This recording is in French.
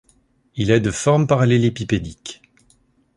Il est de forme parallélépipédique.